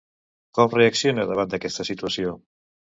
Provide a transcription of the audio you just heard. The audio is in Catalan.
Com reacciona davant d'aquesta situació?